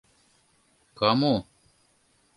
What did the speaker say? Кому?